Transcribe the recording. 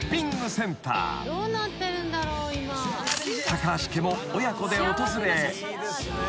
［高橋家も親子で訪れ］